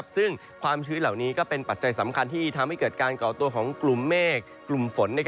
ซึ่งความชื้นเหล่านี้ก็เป็นปัจจัยสำคัญที่ทำให้เกิดการก่อตัวของกลุ่มเมฆกลุ่มฝน